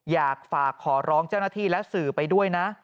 อยากฝากขอร้องเจ้าหน้าที่และสื่อไปด้วยนะ